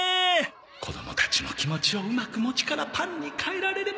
子供たちの気持ちをうまく餅からパンに変えられれば